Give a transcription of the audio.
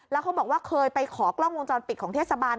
แล้วเขาบอกว่าเคยไปขอกล้องวงจรปิดของเทศบาล